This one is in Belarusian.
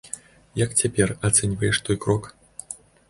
Як цяпер ацэньваеш той крок?